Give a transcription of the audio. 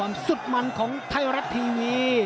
ฝ่ายทั้งเมืองนี้มันตีโต้หรืออีโต้